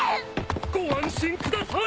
ご安心ください！